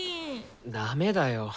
ダメだよ。